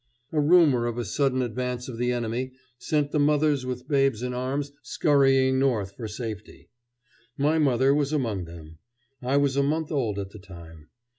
A rumor of a sudden advance of the enemy sent the mothers with babes in arms scurrying north for safety. My mother was among them. I was a month old at the time.